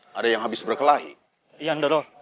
sudah sudah hilang sudah